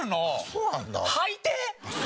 はいて！